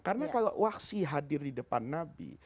karena kalau wahsyi hadir di depan nabi